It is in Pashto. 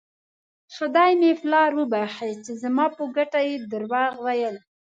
خدای مې پلار وبښي چې زما په ګټه یې درواغ ویل.